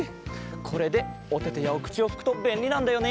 これでおててやおくちをふくとべんりなんだよね。